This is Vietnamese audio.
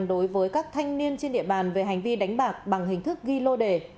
đối với các thanh niên trên địa bàn về hành vi đánh bạc bằng hình thức ghi lô đề